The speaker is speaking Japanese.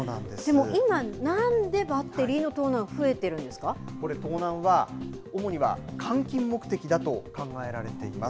でも今、何でバッテリーの盗難主には換金目的だと考えられています。